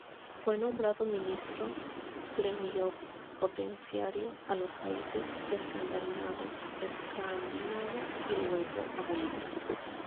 Fue nombrado ministro plenipotenciario a los países escandinavos y, luego, a Bolivia.